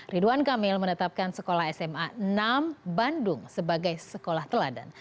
ridwan kamil menetapkan sekolah sma enam bandung sebagai sekolah teladan